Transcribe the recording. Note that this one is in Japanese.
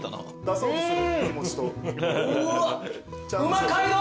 そうですよね。